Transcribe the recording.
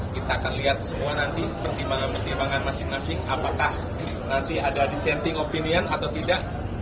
kita akan lihat semua nanti pertimbangan pertimbangan masing masing apakah nanti ada dissenting opinion atau tidak